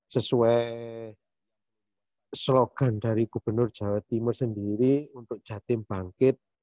sesuai slogan dari gubernur jawa timur sendiri untuk jatim bangkit